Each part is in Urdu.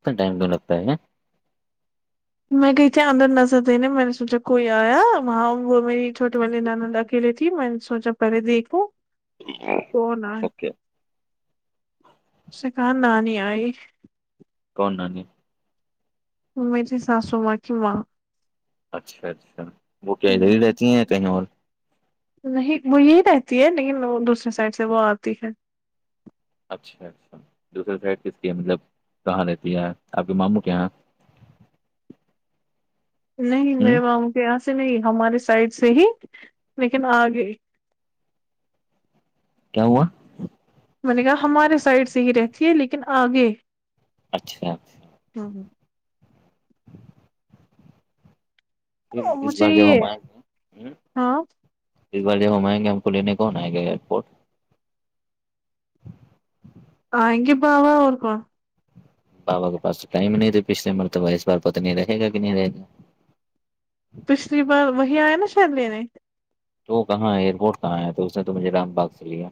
کتناٹائم دوں لگتا ہے میں کہئی تھی اندر نظر دنے میں نے سوچا کوئی آیا وہاں وہ میری چھوٹی والی نانا ڈ کھیلی تھی میں نے سوچا پہلے دیکھوں ج [unintelligible] [inaudible] کونا سکان نانی آئی کوناانی میری ساسو ماں کی ماں اچھا اچھا وہ کیا رہ ہی رہتی ہیں یا کہیں اور نہیں وہ یہی رہتی ہے لیکن وہ دوسرے سائڈ سے وہ آتی ہے اچھا اچھا دوسرے سائڈ کس کی ہے مطلب کہاں رہتی ہے آپ کے ماموں کے یہاں نہیں ہ میرے ماموں کے یہاں سے نہیں ہمارے سائڈ سے ہی لیکن آگے کیا ہوا میں نے کہا ہمارے سائڈ سے ہی رہتی ہے لیکن آگے اچھا ہاں ہ پھر اس مجھے بار جوب یہ ہم آئے گے ہ ہاں اس بارب ہم آئیں گے ہم کو لینے کون آئے گا ایئرپورٹ آگے بابہ اورک بابا کے پا تو ٹائم نہیں تھے پچھل مرتبہ اس بار پت نہیں رہے گا کہ نہیں رہے گا پچھلی بار وہی آیا نا شاید لینے تو کہاں ایئرپورٹ کہاں ہے تو اس نے تو مجھے رام باغ سے لیا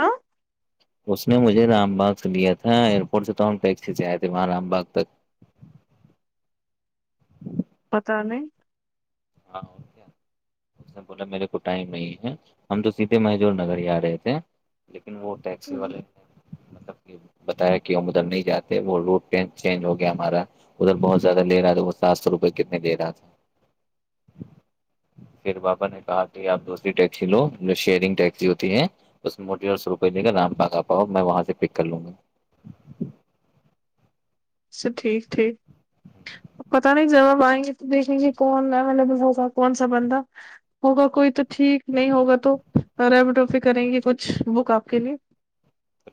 ہ اس نے مجھے رام باغ سے لیا تھا ایئرپورٹ سے تو ہم ٹیکسی سے آئے تھے وہاں رام باغ تک پتا نہیں ہاں کیا اس نے بولا میرے کو ٹائم نہیں ہے ہم تو سیدھے مہجور نگر ہی آ رہے تھے لیکن وہ ٹیکسی نہیں والے ہیں ب بتایا کہ ہم ادھر نہیں جاتے وہ روٹ چینج ہو گیا ہمارا ادھر بہت زیادہ ل رہا تھا وہ سات سو روپئے کتنے لے رہا تھا پھر بپا نے کہا کہ آپ دوسری ٹیکسی لو جو شیئرنگ ٹیکسی ہوتی ہے اس مو روپے کےام پ آ پاؤ میں وہاں سے پک کر لوں گا سچ ٹھیک ٹھیک پت نہیں جب اب آئیں گے تو دیکھیں گے کون اویلیبل ہوگا کون سا بندہ ہوگا کوئی تو ٹھیک نہیں ہوگا تو ریمٹوپی کریں گے کچھ بک آپ کے لیے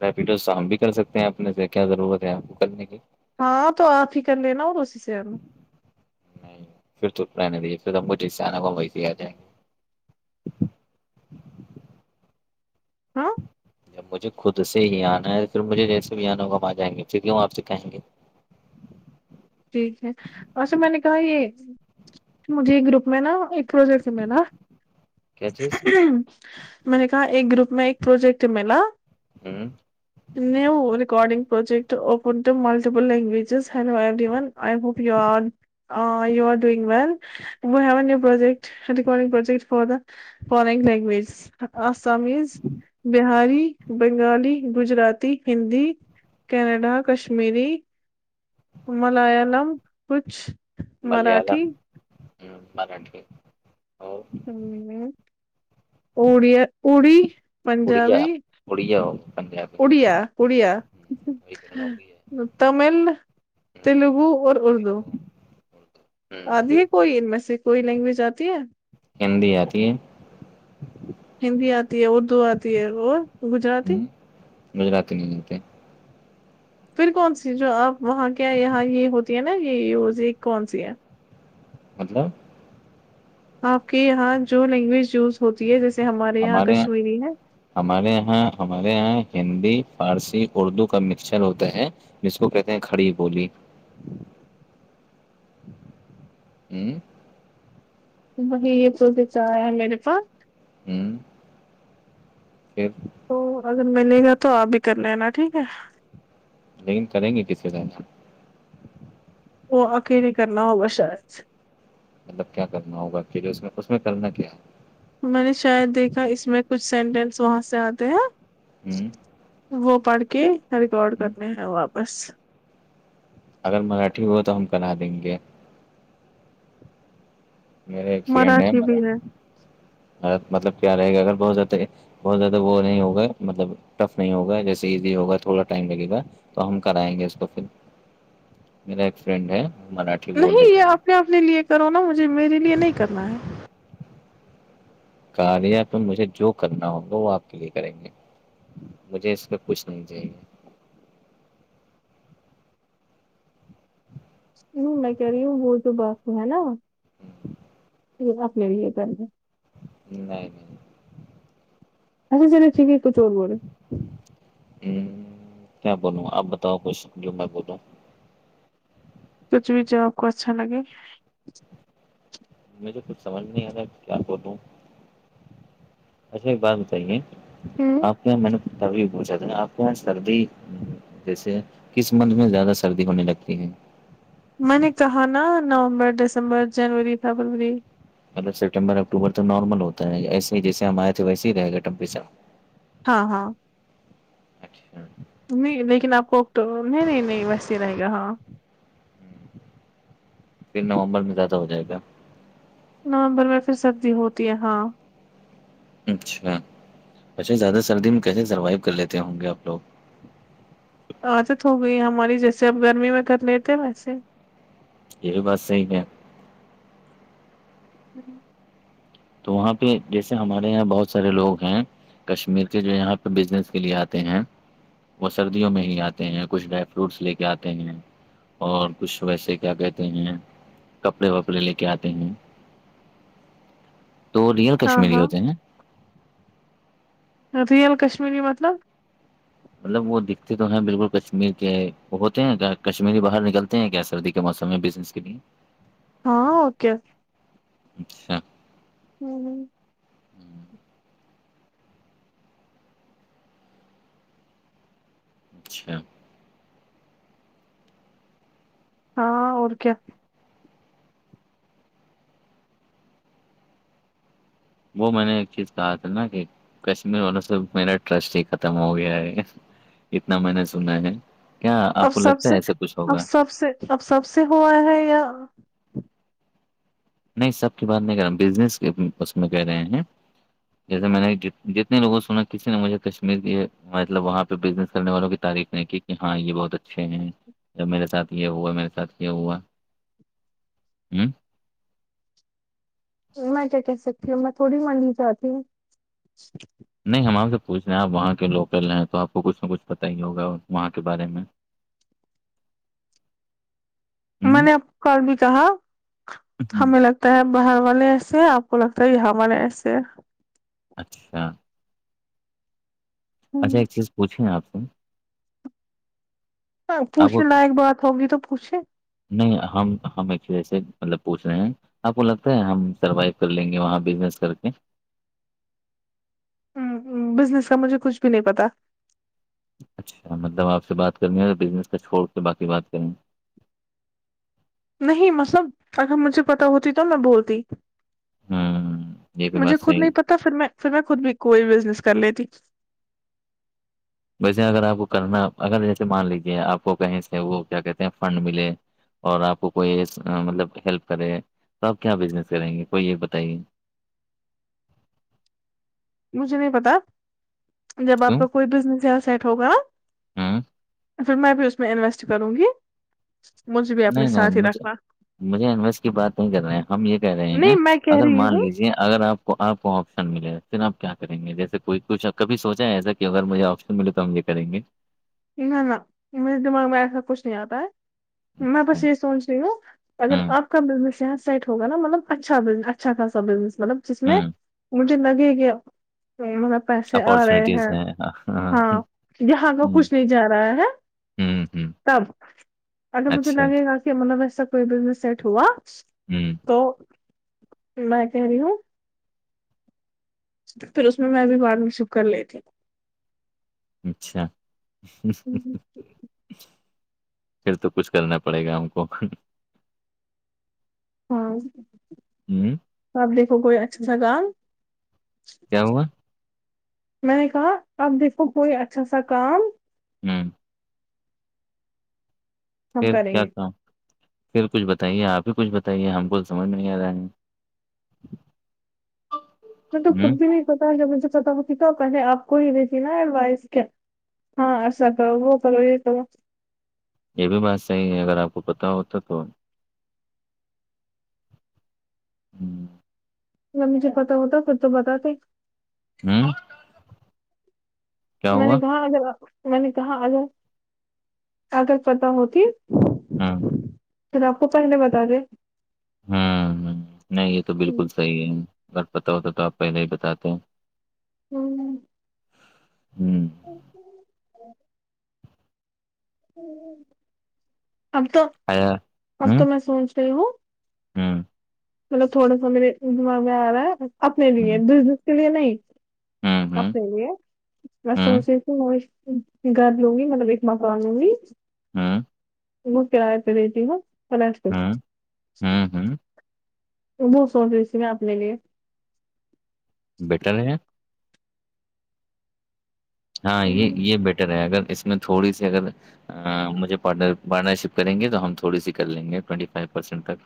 ریپیڈو شام بھی کر سکتے ہیں اپنے سے کیا ضرورت ہے آپ کو کرنے کی ہاں تو آ فکن لینا ہو تو اسسی سے نہیں پھر تو رہنے دیے پھر اب مجھے سے آنے کو ہم ویسے آ جائ گے ہاں جب مجھے خود سے ہی آنا ہے پھر مجھے جیسے آنا ہوگا ہم آ جائیں گے پھر کی وہ آپ سے کہیں گے ٹھیک ہے اور س م نے کہا یہ مجھے ایک گروپ میں نا ایک پروجیکٹس میں نا کیا چیز میں نے کہا ایک گروپ میں ایک پروجیکٹ ملا ہوں new recording project open to multiple لینگویجزڈی ون ا کوو پواد یو ڈگ ویووجٹ ف دا فارن لینگویجز آسامیز بہاری بنگالی گجرات ہندی کینیڈا کشمیری مللم کچھ ملیالم ہ مراٹی اور ہ اڑیا اڑی اڑیا اڑیا پنجاب اڑیا اڑیا اڑیا تمل ہے، ہوں تیلگو اور اردو تیلگو اردو ہوں آدھی پھر ہے کوئی ان میں سےھ کوئی لینگویج آتی ہے گندی آتی ہے ہندی آتی ہے اردو آتی ہے اور گجراتی ہوں گجرات نہیں نتے پھر کون سی جو آپ وہاں کیا یہاں یہ ہوتی ہے نا یہ یز کون سی ہے مطلب آپ کے یہاں جو لینگویج یوز ہوتی ہے جیسے ہمارے یہاں کشمیری ہے ہمارے یہاں ہمارے یہاں ہندی فارسی اردو کا مکسچر ہوتا ہے مس کو کہتے ہیں کھڑی بولی ہوں وہی یہ تو بھی چ آ ہے میرے پاس ہوں پھر تو اگر ملے گا تو آپ بھی کر لینا ٹھیک ہے لیکن کریں گے کسسی طائ سے وہ اکے کرنا ہوگا شاید مطلب کیا کرنا ہوگا کےے اس میں اس میں کرنا کیا ہے میں نے شاید دیکھا اس میں کچھ سینٹینس وہاں سے آتے ہیں ہوں وہ پڑھ کے ریکارڈ ہوں کرنے ہیں واپس اگر مراٹھی ہو تو ہم کرا دیں گے میرا ایک فرینڈ ہے مراٹھی مر بھی مر مطلب کیا رہے گا اگر بہت زیادہ بہت زیادہ وہ نہیں ہوگا مطلب ٹف نہیں ہوگا جیسے ایزی ہوگا تھوڑا ٹائم لگے گا تو ہم کرائیں گے اس کو پھر میرا ایک فرینڈ ہے مراٹھی بول نہیں دیتا یہ ہے اپنے اپنے لیے کرو نا مجھے میرے لیے نہیں کرنا ہے کار یا تو مجھے جو کرنا ہوگا وہ آپ کے لیے کریں گے مجھے اس میں کچھ نہیں چاہیے ہوں میں کہہ رہی ہوں وہ تو باقی ہے نا تو اپنے لی یہ کرنا نہیں نہیں ہ سے نے چھیی ایک چور بولے ہ کیا بول آپ بتاؤو کوئی سک جو میں بول کچھ بھی جو آپ کو اچھا لگے مجھے کچھ سمجھ نہیں آیاا ہے کیا کر دوں اچھا ایک بات بتائیے آپ کےاں میں نے ت پوچھا تھا آپ کیا سردی جیسے کس مند میں زیادہ سردی ہونے لگتی ہے میں نے کہا نا نومبر دسمبر جنوری فبروری مطلب سپٹمبر اکٹوبر تو نارمل ہوتا ہے ایسے ہی جیسے ہم آئے تھے ویس ہی رہے گ ٹمپیسر ہاں ہاں اچ ہ نہیں لیکن آپ کو تو نہیں نہیں نہیں ویسے ہی رہے گا ہاں پھر نومبر میں زیادہ ہو جائے گا نومبر میں پھر سردی ہوتی ہے ہاں اچھا اچھا زیادہ سردی میں کیسے سروائو کر لیتے ہوں گے آپ لوگ عادت ہو گئی ہماری جیسے آپ گرمی میں کر لیتے ویسے یہ بھی بات سی ہے جوں تو وہاں پہ جیسے ہمارے یہاں بہت سارے لوگ ہیں کشمیر کے جو یہاں پہ بزنس کے لیے آتے ہیں وہ سردیوں میں ہی آتے ہیں کچھ ڈرائی فروٹس لے کے آتے ہیں اور کچھ ویسے کیا کہتے ہیں کپڑے وپڑے لے کے آتے ہیں تو وہ ریئل ہاں کشمیری ہاں ہوتے ہیں نا ریئل کشمیری مطلب مطلب وہ دکھتے تو ہیں بالکل کشمیر کے ہوتے ہیں کشمیری باہر نکلتے ہیں کیا سر د موسم ہے بزنس کے لیے ہاں اوکےکے اچھا ہوں اچھا ہاں اور کیا وہ میں نے ایک چیز کہا تھا نا کہ کشمیر والوں سے میرا ٹرسٹ ہی ختم ہو گیا ہے اتنا میں نے سنا ہے کیا اب آپ کو سب لگتا سے ہے ایسا کچھ اب ہوگا سب سے اب سب سے ہوا ہے یا نہیں سب کی بات نہیں کر رہا بزنس اس میں کہہ رہے ہیں جیسے میں نے جتنے لوگوں سنا کسی نے مجھے کشمیر کی مطلب وہاں پہ بزنس کرنے والوں کی تعف نہیں کی کہ ہاں یہ بہت اچھے ہیں جب میرے ساتھ یہ ہوا میرے ساتھ یہ ہوا میں کیا کہ سکتی ہوں میں تھوڑی منڈنی جاتتی ہوں نہیں ہم آپ سے پوچھ رہے ہیں آپ وہاں کے لوکل ہیں تو آپ کو کچھ نہ کچھ پتاہ ہی ہوگا وہاں کے بارے میں [inaudible] میں ہوں نے آپ ک بھی کہا ہوں ہمیں لگ ہے باہر والے ایسے آپ کو لگتا ہے یہاں والے ایسے اچھا اچھا ایک چیز پوچھے ہیں آپ سے آپ کو پوچھنے لائق بات ہوگی تو پوچھ نہیں ہم ہم ایکچولیسے مطلب پوچھ رہے ہیں آپ کو لگتا ہے ہم سروائو کر لیں گے وہاں بزنس کر کے بزنس کا مجھے کچھ بھی نہیں پتا اچھا مطلب آپ سے بات کرنی ہے یا بزنس کا چھوڑ کے باقی بات کر رہنی ہے نہیں مطلب اگر مجھے پتا ہوتی تو میں بولتی ہوں یہ بھی مجھے بات خود صحیح نہیں ہے۔ پتا پھر میں پھر میں خود بھی کوئی بزنس کر لیتی ویسے اگر آپ کو کرنا اگر جیسے مان لیجیے آپ کو کہیں سے وہ کیا کہتے ہیں فنڈ ملے اور آپ کو کوئی مطلب ہیلپ کرے تو آپ کیا بزنس کریں گے کوئی یہ بتائیے مجھے نہیں پتا جب آپ کیوں کا کوئی بزنس سیٹ ہوگا ہوں پھر میں بھی ا اس میں انویسٹ کروں گی مجھے اپنے نہیں نہیں ساتھ ہی مجھے رکھنا مجھے انویس کی بات نہیں کر رہے ہیں ہم یہ کہہ رہے ہیں نہیں میں کہہ اگر رہی مان ہوں لیجے اگر آپ آپ کو آپشن ملے پھر آپ کیا کر گے جیسے کوئی کچھ کبھی سوچا ہے ایسا کہ اگر مجھے آپشن س ملے تو ہم یہ کریں گے نہ نہ مے دماغ میں ایسا کچھ نہیں آتا ہے میں اچھا بس یہ سونچ رہ ہوں اگر ہوں آپ کا بزس یہاں سیٹ ہوا نا مطلب اچھا ب اچھا خاصا بزنس مطلب جس میں ہوں مجھے لگے گیا مطلب پیسے آ رہے ہیں ہاں یہاں کا کچھ نہیں جا رہا ہے ہوں ہوں تب اگر مجھے اچھا لگے گا کہ مطلب ایسا کوئی بزنس سیٹ ہوا ہوں تو میں کہہ رہی ہوں پھر اس میں بھی بارم شپ کر لی تھی [inaudible] اچھا [inaudible] ہوں پھر تو کچھ کرنا پڑے گا ہم کو ہاں ہوں آپ دیکھو کوئی اچھا سگال [inaudible] کیا ہوا میں نے کہا اب دیکھو کوئی اچھا سا کام ہوں [inaudible] ہم پھر کریں کیا گے کہوں پھر کچھ بتائیے آپ ہی کچھ بتائیے ہم کو سمجھ میں نہیں آ رہے ہیں [inaudible] میں تو خود ہوں بھی نہیں پتا جب مجھے پت ہوتی تو پہلے آپ کو ہی نہیںتی نا ایڈوائز کیا ہاں اا تو وہ کرو یہ تو وہ [unintelligible] یہ بھی بات صحیح ہے اگر آپ کو پتہ ہوتا تو ہوں مجھے پتتا ہوتا پھر تو بتات ہوں کیا میں ہوا نے کہاں اگر میں نے کہاں اگر اگر پتہ ہوتی [inaudible] ہوں چھر آپ کو پہل بتا دے [unintelligible] ہ ہ نہیں یہ تو بالکل صحیح ہے اگر پت ہوتا تو آپ پہلے ہی بتاتے ہیں ہوں ہوں اب تو آ [inaudible] اب تو میں سوچ رہی ہوں ہاں مطلب تھوڑا سا میرے دماغ میں آ رہا ہے اپنے لیے ہوں بزنس کے لیے نہیں ہوں [inaudible] ہوں سب لی ہے میںس ہوں سوچ رہی ت [inaudible] گھر لوں گی مطلب ایک ماق لوں گی [unintelligible] ہاں وہ کراائے پہ دیتی نا پس ہوں رو [inaudible] ہوں ہوں وہ سوچ رہی تھی میں اپنے لیے بیٹن [inaudible] ہاں یہ یہ بیٹر ہے اگر اس میں تھوڑی سی اگر مجھ پارٹنر شپ کریں گے تو ہم تھوڑی سی کر لیں گے ٹ فوسینٹ تک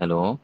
ہیلو